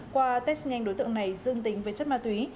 qua test nhanh đối tượng này dương tính với chất ma túy